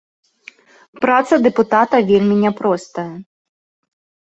Праца дэпутата вельмі няпростая.